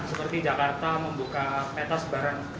seperti jakarta membuka peta sebaran